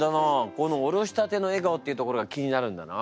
この「おろしたての笑顔」っていうところが気になるんだな。